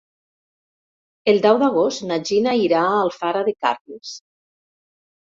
El deu d'agost na Gina irà a Alfara de Carles.